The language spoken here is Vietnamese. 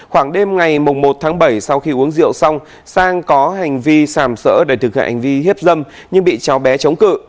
khoảng đêm ngày một tháng bảy sau khi uống rượu xong sang có hành vi sàm sỡ để thực hiện hành vi hiếp dâm nhưng bị cháu bé chống cự